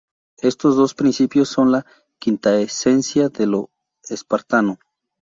Estos dos principios son la quintaesencia de lo espartano.